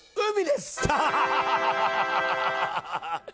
ハハハ！